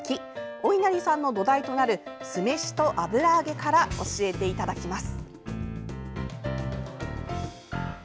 おいなりさんの土台となる酢飯と油揚げから教えていただきます。